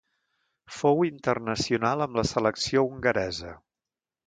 Fou internacional amb la selecció hongaresa.